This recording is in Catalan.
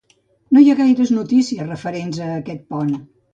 No hi ha gaires notícies referents a aquest pont.